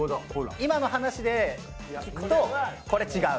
今の話で聞くとこれ違う。